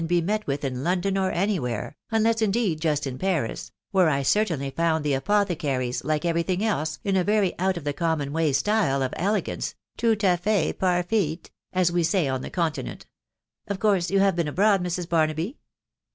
be met with in London or any where, unless, indeed, just inftnis, where I certainly found tthe apothecaries, like every thing <ebe, in a very out ofwthe conHBon way style of elegance, iowtafay par fit, as "we say on the Continent, Of course, you have been abroad, Mrs. Barnaby